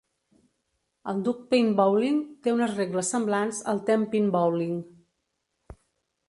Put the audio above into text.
El "duckpin bowling" té unes regles semblants al "ten-pin bowling".